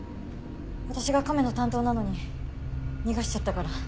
私が亀の担当なのに逃がしちゃったから。